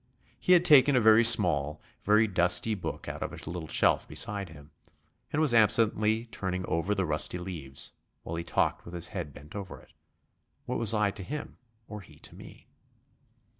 He had taken a very small, very dusty book out of a little shelf beside him, and was absently turning over the rusty leaves, while he talked with his head bent over it. What was I to him, or he to me?